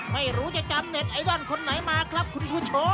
ไม่รู้จะจำเน็ตไอดอลคนไหนมาครับคุณผู้ชม